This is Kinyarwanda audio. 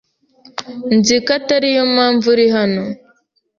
Nzi ko atariyo mpamvu uri hano.